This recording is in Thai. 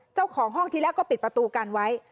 เจ้าของห้องที่แรกก็ปิดประตูกันไว้